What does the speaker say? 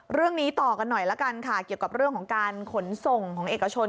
เรื่องนี้ต่อกันหน่อยละกันค่ะเกี่ยวกับเรื่องของการขนส่งของเอกชน